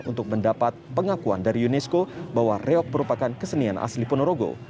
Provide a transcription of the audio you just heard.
untuk mendapat pengakuan dari unesco bahwa reok merupakan kesenian asli ponorogo